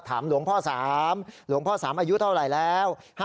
ถามหลวงพ่อสามหลวงพ่อสามอายุเท่าไหร่แล้ว